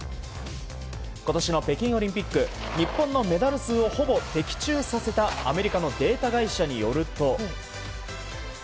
今年の北京オリンピック日本のメダル数をほぼ的中させたアメリカのデータ会社によると。